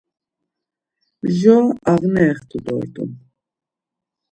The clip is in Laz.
Mjora ağne extu dort̆un.